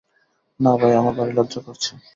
না ভাই, আমার ভারি লজ্জা করছে।